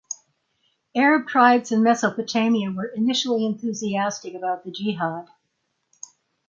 Arab tribes in Mesopotamia were initially enthusiastic about the Jihad.